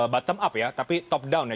bottom up ya tapi top down ya